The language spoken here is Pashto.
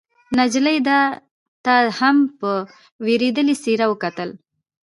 نجلۍ ده ته هم په وېرېدلې څېره وکتل.